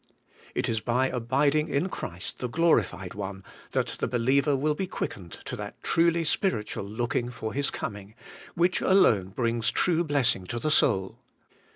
It is by abiding in Christ the Glorified One that 234 ABIDE IN CHRIST: the believer will be quickened to that truly spiritual looking for His coming, which alone brings true blessing to the soul.